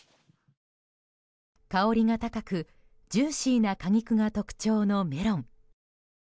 香りが高くジューシーな果肉が特徴のメロン。